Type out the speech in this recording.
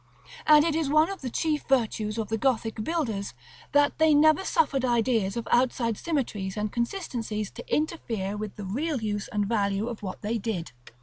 And it is one of the chief virtues of the Gothic builders, that they never suffered ideas of outside symmetries and consistencies to interfere with the real use and value of what they did.